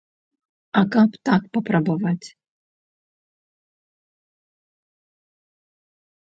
А каб так папрабаваць.